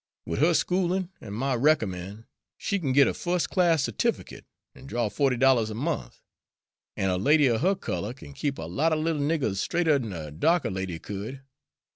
"Wid her schoolin' an' my riccommen', she kin git a fus' class ce'tifikit an' draw fo'ty dollars a month; an' a lady er her color kin keep a lot er little niggers straighter 'n a darker lady could.